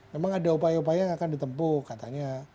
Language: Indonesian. memang ada upaya upaya yang akan ditempuh katanya